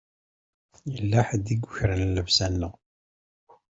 Yella ḥedd i yukren llebsa-nneɣ.